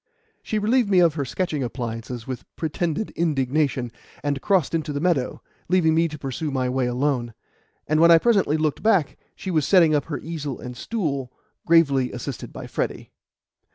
She relieved me of her sketching appliances with pretended indignation, and crossed into the meadow, leaving me to pursue my way alone; and when I presently looked back, she was setting up her easel and stool, gravely assisted by Freddy.